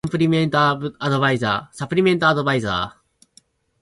サプリメントアドバイザー